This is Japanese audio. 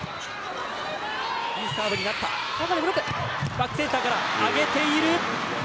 バックセンターが上げている。